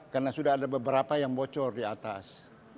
karena sudah ada beberapa yang bocor di atas